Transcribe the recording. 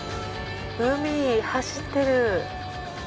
海、走ってる。